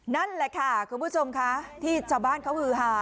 นั่นแหละค่ะคุณผู้ชมค่ะที่ชาวบ้านเขาฮือหา